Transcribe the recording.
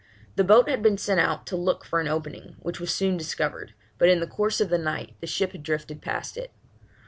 The boat had been sent out to look for an opening, which was soon discovered, but in the course of the night the ship had drifted past it.